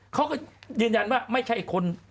เขาก็ยืนยันว่าไม่ใช่คน